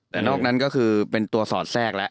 แต่นอกนั้นก็คือเป็นตัวสอดแทรกแล้ว